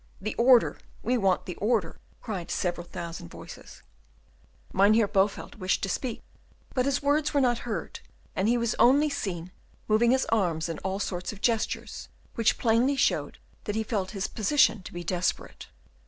"The order! we want the order!" cried several thousand voices. Mynheer Bowelt wished to speak, but his words were not heard, and he was only seen moving his arms in all sorts of gestures, which plainly showed that he felt his position to be desperate.